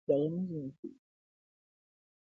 خدایه کشکي یا زه نه وای او داستا رنګین جهان وای!!